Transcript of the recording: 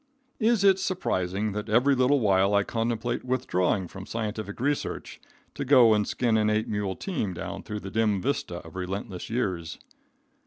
Is it surprising that every little while I contemplate withdrawing from scientific research, to go and skin an eight mule team down through the dim vista of relentless years?